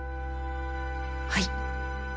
はい。